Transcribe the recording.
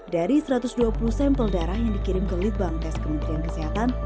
dari satu ratus dua puluh sampel darah yang dikirim ke litbang tes kementerian kesehatan